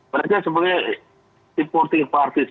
mereka sebagai reporting parties